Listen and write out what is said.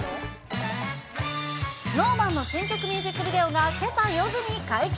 ＳｎｏｗＭａｎの新作ミュージックビデオがけさ４時に解禁。